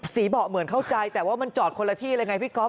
เบาะเหมือนเข้าใจแต่ว่ามันจอดคนละที่เลยไงพี่ก๊อฟ